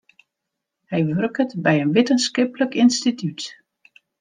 Hy wurket by in wittenskiplik ynstitút.